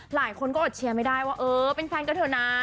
หลายคนก็อดเชียร์ไม่ได้ว่าเออเป็นแฟนกันเถอะนะ